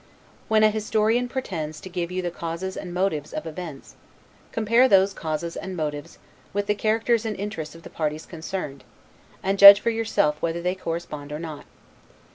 When a historian pretends to give you the causes and motives of events, compare those causes and motives with the characters and interests of the parties concerned, and judge for yourself whether they correspond or not.